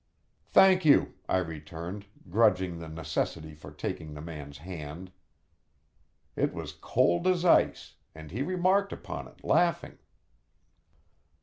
"Thank you," I returned, grudging the necessity for taking the man's hand. It was cold as ice, and he remarked upon it, laughing.